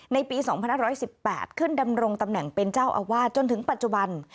ในปี๒๕๑๘ขึ้นดำรงตำแหน่งเป็นเจ้าอาวาสจนถึงปัจจุบัน